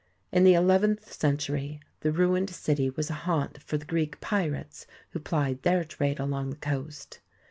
In the eleventh century the ruined city was a haunt for the Greek pirates who plied their trade along the coast.